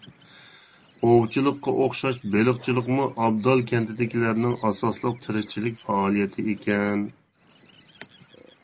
ئوۋچىلىققا ئوخشاش بېلىقچىلىقمۇ ئابدال كەنتىدىكىلەرنىڭ ئاساسلىق تىرىكچىلىك پائالىيىتى ئىكەن.